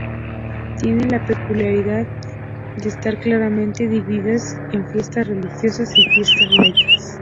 Tienen la peculiaridad de estar claramente divididas en fiestas religiosas y fiestas laicas.